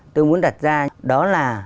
tôi muốn đặt ra đó là